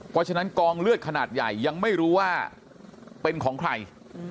เพราะฉะนั้นกองเลือดขนาดใหญ่ยังไม่รู้ว่าเป็นของใคร